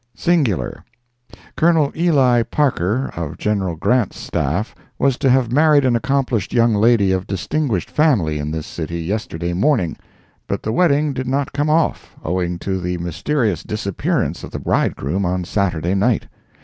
Singular. Col. Eli Parker, of Gen. Grant's staff, was to have married an accomplished young lady of distinguished family in this city yesterday morning, but the wedding did not come off, owing to the mysterious disappearance of the bridegroom on Saturday night.